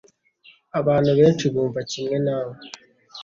Abantu benshi bumva kimwe nawe.